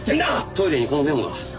トイレにこのメモが。